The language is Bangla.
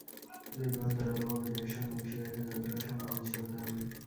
দুই বাহু জোরালোভাবে দেহের সঙ্গে মিশিয়ে রেখে যতটা সম্ভব নিচু হতে হবে।